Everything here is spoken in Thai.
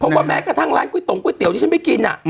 เพราะว่าแม้กระทั่งร้านก๋วยตงก๋วเตี๋ยที่ฉันไม่กิน